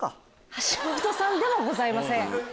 橋本さんでもございません。